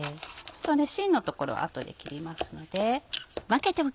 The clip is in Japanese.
芯の所は後で切りますので。